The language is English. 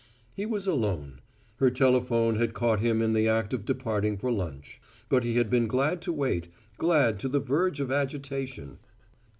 He was alone; her telephone had caught him in the act of departing for lunch. But he had been glad to wait glad to the verge of agitation.